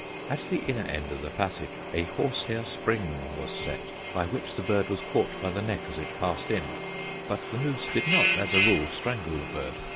At the inner end of the passage a horse hair springe was set, by which the bird was caught by the neck as it passed in, but the noose did not as a rule strangle the bird.